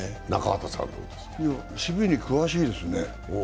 守備に詳しいですね。